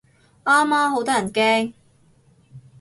啱啊，好得人驚